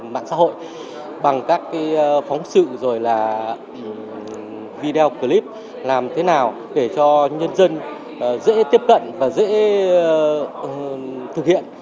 mạng xã hội bằng các phóng sự rồi là video clip làm thế nào để cho nhân dân dễ tiếp cận và dễ thực hiện